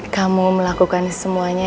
kamu melakukan semuanya